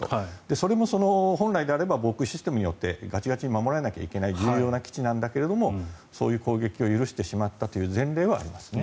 それも本来であれば防空システムによってガチガチに守られなければいけない重要な基地なんだけどそういう攻撃を許してしまったという前例はあります。